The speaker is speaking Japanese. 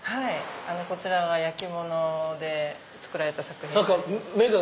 こちらが焼き物で作られた作品になります。